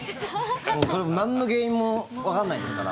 それ、なんの原因もわからないですから。